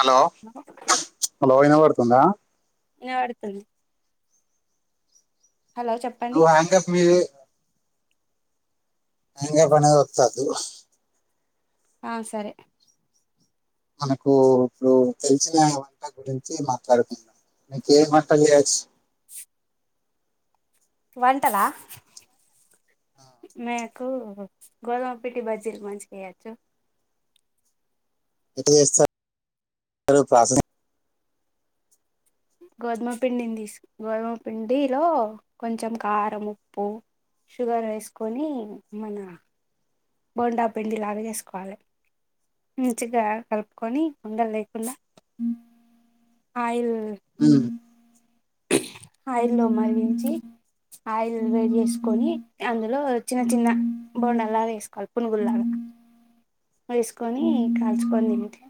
Hello హలోయిన పడుతుందా న అడుతుంది హలో చెప్పండి నువ్వు హ్యాంగప్ మీద హం పనే తాదు ఆ సరే మనకు ఇప్పుడు తెలిసిన వంట గురించి మాట్లాడుకుందాం మీక ఏం వంట చేయొచ్చు వంటలా మీకు గోధుమ పట్టి బజ్జీర్ మంచిగా వేయొచ్చు ప్రచీన గోధుమ పిండిని తీసు గోధుమ పిండిలో కొంచెం కారం ఉప్పు షుగర్ వేసుకొని మన బోండా పిండి లాగా చేసుకోవాలి మంచిగా కలుపుకొని వుడలు లేకుండా ఆయిల్ ఉమ్, ఆయిల్లో మరిగించి ఆయిల్ రెడీ చేసుకొని అందులో చిన్న చిన్న బండల్లాగా వేసుకోవాలి పునుగుల్లాగా వేసుకొని కాల్చుకొని ఏంటి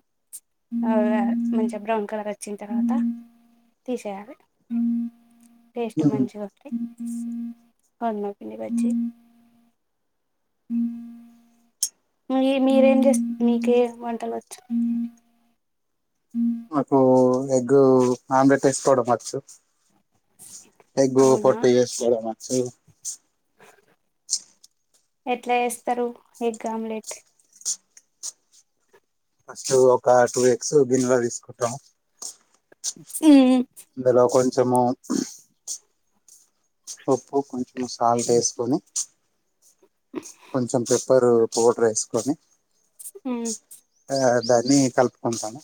మంచిగా బ్రౌన్ కలర్ వచ్చిన తర్వాత తీసేయాలి టేస్ట్ ఉమ్. మంచిగా ఒకస్తటి కన్నాకిని బచ్చి మీ మీరేం చేస్త మీకే వంటలుచ్చు ఉ నాకు ఎగ్ ఆమ్లెట్ వేసుకోవడం వచ్చు ఎకు అవునా పట్టస్త స ఎట్ల ఎస్తస్తరు ఎ గమలేెట్ ఫస్ట్ ఒక టూ ఎక్స్ గిన్నెలో తీసుకుంటాం ఉమ్ ఇలో కొ కొంచెము ఉప్పు కొంచెం మసాల వేసుకొని పంచమ ప పపరు పౌడర్ వేసుకొని ఉమ్ ఆ దాన్ని కలుపుకుంటాను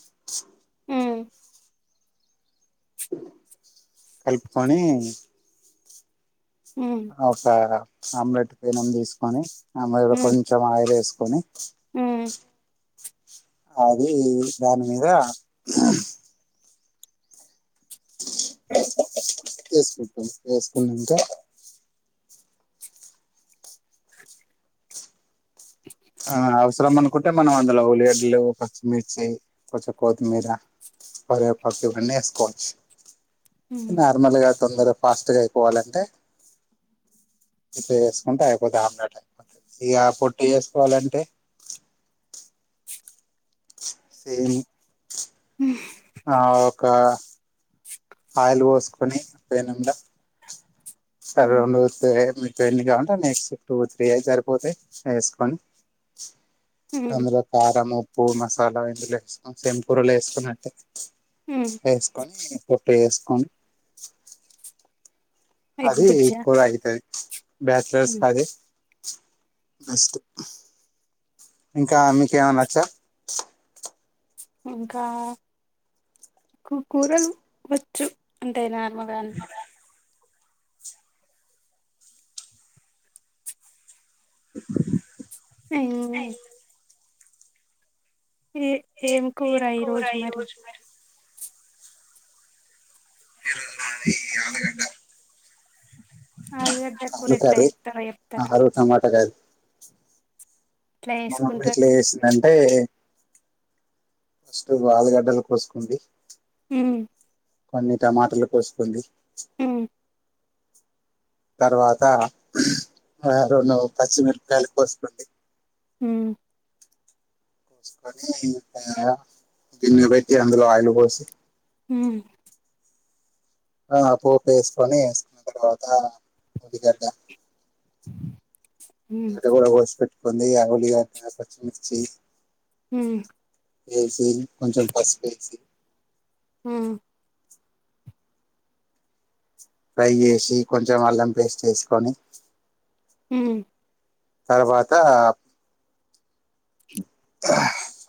అ కల్పు కోని హ్మ్ అవు సా ఆమ్లెట్ పినం తీసుకొని ఆ మరి కొంచం ఆయిల్ వేస్ కొని ఉమ్ అది దాని మీద స వేసుకుంటాం వేసుకునంక ఆ అవసరం అనుకుంటే మనం అందులో ఉల్లిగడ్లు పచ్చిమిర్చి కొంచెం కొత్తిమీర కరివేపాకు ఇవన్నీ వేసుకోవచ్చు హ్మ్ నార్మల్గా తొందర ఫాస్ట్గా అయిపోవాలంటే ఇట్ల చేసుకుంటే అయిపోతది ఆమ్లెట్ అయిపోతది ఇగ పొట్టి పోవాలంటే సేమ్ అ ఆ ఒక ఆయిల్ పోసుకొని పెనం మీద హ్మ్ సర్రౌండ్గ వత్తే ఏమి ఎన్ని క కావాలంటే అన్ని ఎస్ టూ త్రీ సరిపోతయ్ వేసుకొని హ్మ్ అందులో కారము ఉప్పు మసాలా ఇందులో వేసుకొని సేమ్ కూరలో వేసుకున్నట్టే హ్మ్ వేసుకొని ఉప్పేసుకుని ఎగ్ అది బుజ్జా ఎక్కువగా అయితది బ్యాచిలర్స్ ఉమ్ కది బెస్ట్ ఇంకా మీకేమన్నానోచ్చా ఇంకా కు-కూరలు వచ్చు అంటేే నా మగాన్ అ ఉమ్ ఏ ఏం కూర ఈ రోజు మరి ఈరోజు మాది ఆలుగడ్డ ఆలుగడ్డ కూర ఎట్ల కర్రీ చెత్తారో చెప్తరా ఆలు టమాటా కర్రీ మా మమ్మి చేసుకుంటారు ఎట్ల చేసిందంటే ఫస్టు ఆలుగడ్డలు కోసుకుంది హ్మ్ టమాటర్లు కోసుకోండి హ్మ్ తర్వాత ర ను పచ్చిమిరపయలు కోసుకోండి హ్మ్ కోస్కొని [unintelligible] గిన్న పెట్టి అందులో ఆయిలు పోసి హమ్ ఆ పోప్ ఏస్కొని ఎస్కున తర్వాత ఉల్లిగడ్డ హ్మ్ ఎర్రగడ్డ కోస్ పేట్ కొంది ఈగ ఉల్లిగడ్డ పచ్చిమిిర్చి హ్మ్ ఎసి కొంచెం పసుపు ఏసి హ్మ్ ఫ్రై చేసి కొంచెం అల్లం పేస్ట్ ఎసుకొని హ్మ్ తర్వాత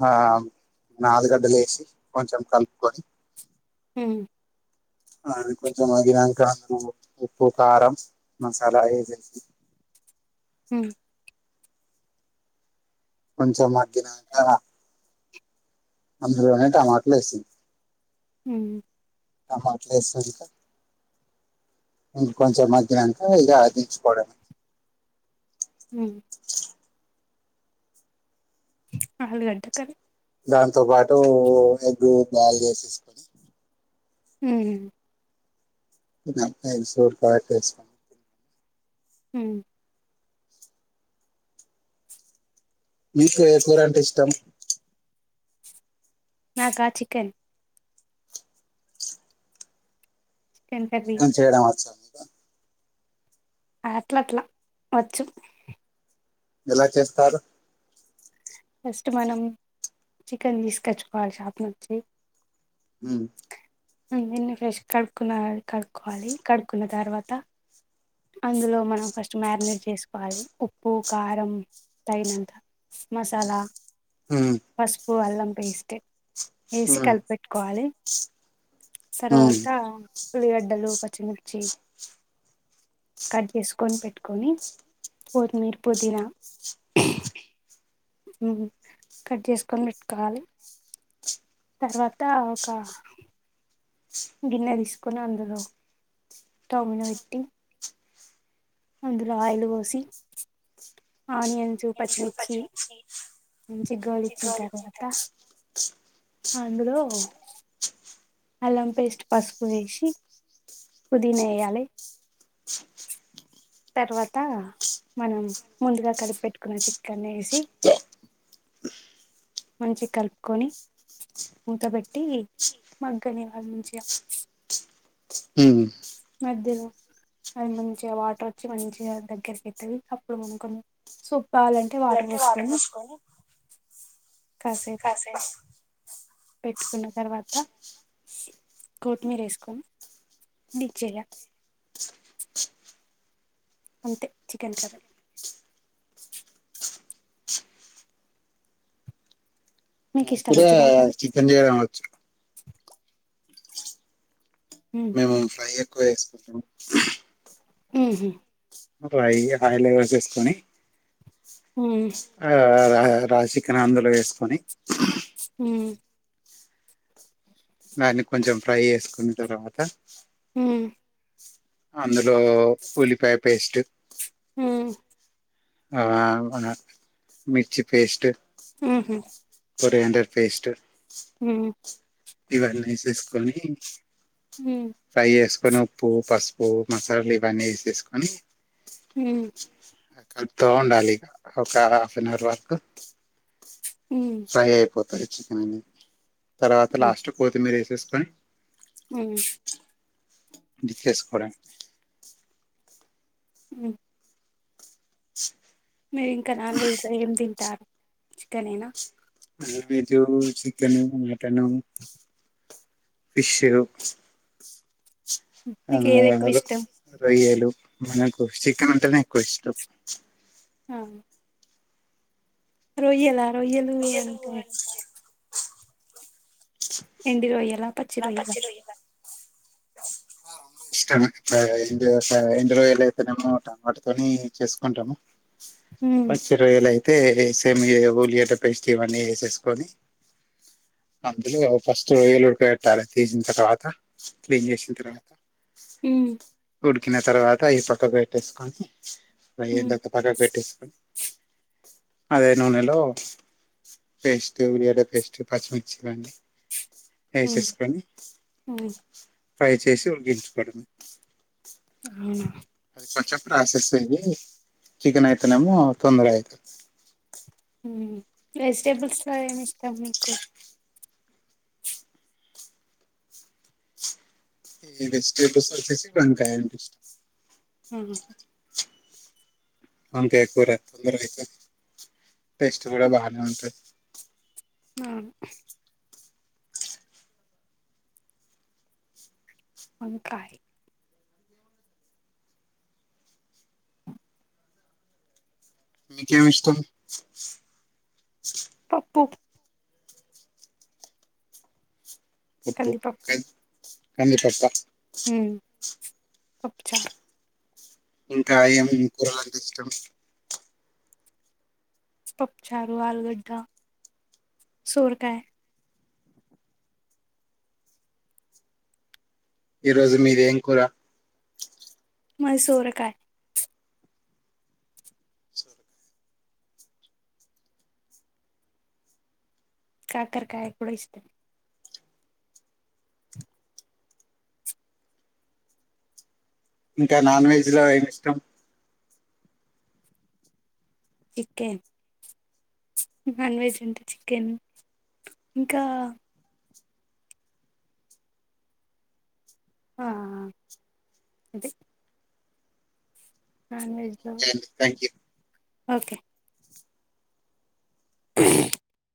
ఆ అల్లుగడ్డలు వేసి కొంచెం కలుపుకొని హ్మ్ అ కొంచం మాగినంకా [unintelligible] ఉప్పు కారం మసాలా ఏసేసి హ్మ్ కొంచెం మా గినక అందులోనే టమాటాలు వేసి హ్మ్ ఆహా [unintelligible] ఇంకా కొంచెం మగ్గినంక ఇగ దించుకోవడమే హ్మ్ ఆలుగడ్డ కర్రీ దాంతో పాటు ఎగ్గు బాయిల్ చేసేస్కొని హ్మ్ [unintelligible] తిన్ హమ్ మీకు ఏ కూర అంటే ఇష్టం నాకా చికెన్ చికెన్ చేయడం వచ్చా మీ అట్ల అట్లా వచ్చు ఎలా చేస్తారు ఫస్ట్ మనం చికెన్ తీసుకొచ్చుకోవాలి షాప్ నుంచి హ్మ్ దీన్ని ఫ్రెష్ కడుక్కున్నా కడుక్కోవాలి కడుక్కున్న తర్వాత అందులో మనం ఫస్ట్ మ్యారినేట్ చేసుకోవాలి ఉప్పు కారం తగినంత మసాలా ఉమ్ పసుపు అల్లం పేస్ట్ వేసి ఉమ్ కలిపెట్టుకోవాలి ఉమ్ తర్వాత ఉలిగడ్డలు పచ్చిమిర్చి కట్ చేసుకొని పెట్టుకొని కొత్మీర పుదీనా కట్ చేసుకొని పెట్టుకోవాలి తర్వాత ఒక గిన్నె తీసుకొని అందులో స్టవ్ మీద పెట్టి అందులో ఆయిల్ పోసి ఆనియన్స్ పచ్చిమిర్చి మంచి గోళు ఇచ్చిన తర్వాత అందులో అల్లం పేస్ట్ పసుపు వేసి పుదీనా వేయాలి తర్వాత మనం ముందుగా కలిపిపెట్టుకున్న చికెన్ వేసి మంచి కలుపుకొని మూతబెట్టి మగ్గనే వాళ్ళ నుంచి హ మధ్యలో అది మంచిగా వాటర్ వచ్చి మంచిగా దగ్గరకి ఎతుంది అప్పుడు మనుకొని సూ కావాలంటే వాటర్ వస్తు ఏస్కొని కాసేపు పెట్టుకున్న తర్వాత కోత్తిమీర వేసుకొని ది చేయ అంతే చికెన్ కర్రీ మీకు ఇష్టమా నాక్కూడా చికెన్ కర్రీ చికెన్ చేయడం వచ్చు ఊహూ మేము ఫ్రై ఎక్కువ ఏసుకుంటాం ఊహూ [inaudible] హై లెవెల్స్ ఏసుకోని ఊ ఆ రా రాసికెన్ అందులో వేసుకొని ఊ దాన్ని కొంచెం ఫ్రై చేసుకున్న తర్వాత ఊ అందులో ఉల్లిపాయ పేస్ట్ ఊ ఆ మన మిర్చి పేస్ట్ ఊహూ కొరియండర్ ఫేస్ట్ ఊ ఇవన్నీ ఏసేసుకొని ఉమ్ ఫ్రై ఏస్ కొని ఉప్పు పసుపు మసాలాలు ఇవన్నీ వసేసుకొని ఉమ్ కడుత ఉండాలిక ఒక హాఫ్ అన్ అవర్ వరకు ఉమ్ సహేపు పరిచ కాని తర్వాత లాస్ట్ కోతి మీరే తెసుకొని ఉ వికస్ కొర ఉ మీరు ఇంకా నాన్ వెజ్లో ఏం తింటారు. చికన్ నేనా non veg chicken, mutton, fish. మీకు ఏది ఎక్కువ అరు ఇష్టం రోయ్యలు. మనకు చికెన్ అంటేనే ఎక్కువ ఇష్టం. హ రొయ్యలా. రొయ్యలు అంటే ఎండి రొయ్యల ఎలా రొయ్యల పచ్చి రొయ్యలా ఇష్టము ఎండు రొయ్యలు అయితేనేమో టమాటతోని చేసుకుంటాము. ఉమ్ పచ్చి రొయ్యలు అయి అయితే సేమ్ ఇగ ఉల్లిగడ్డ పేస్ట్ ఇవన్నీ వేసేసుకొని అందులో ఫస్ట్ రొయ్యలు ఉడక. పెట్టాలే. తీసిన తర్వాత క్లీన్ చేసిన తర్వాత. ఉమ్ ఉడికిన తర్వాత అవి పక్క పెట్టేసుకొని, అ ఉమ్ ఏంత ఒక పక్క పెట్టటిసు అదే నూనెలో పేస్ట్ ఉల్లిగడ్డ పేస్ట్ పచ్చిమిర్చి గాని, ఉమ్ ఎసేస్కొని ఉమ్ ఫ్రై చేసి ఉడిగించుకోవడం. అవునా కొంచం ప్రాసెస్ ఇది చికెన్ ఐతనేమ్మో తొందరగ అయితది. ఉం వెజిటేబుల్స్ లో ఏమి ఇష్ టం మీకు ఈ వెజిటెబల్స్ వచేసి వంకాయంటే ఇష్టం. ఆ అంతే కూర తొందరగ అయితది టేస్ట్ కూడా బానే ఉంటది. అవును వంకాయ్ మీకేమిష్టం. పప్పు పప్పు క కంది పప్పా ఊమ్ పప్పు చారు. ఇంకా ఏం కూరలంటే ఇష్టం. పప్పు చారు ఆలుగడ్డ సోరకాయ ఈ రోజు మీది ఏం కూర మది సోరకాయ కాకరకాయ కూడా ఇష్టమే ఇంకా నాన్ వెజ్ లో ఏమి ఇష్టం చికెన్ నాన్ వెజ్ అంటే చికెన్ ఇంకా ఆ అదె నాన్ వెజ్లో ఓకే అండి థ్యాంక్ యూ ఓకే [unintelligible]